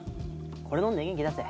これ飲んで元気出せ。